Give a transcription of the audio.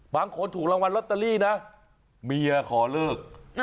ถูกรางวัลลอตเตอรี่นะเมียขอเลิก